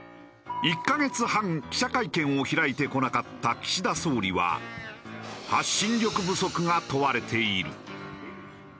１カ月半記者会見を開いてこなかった岸田総理は発信力不足が問われている。